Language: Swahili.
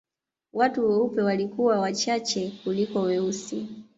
Watu weupe walikuwa wachache kuliko weusi